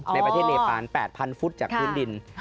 ในประเทศเนปาน๘๐๐ฟุตจากพื้นดิน